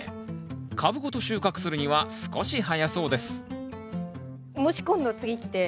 株ごと収穫するには少し早そうです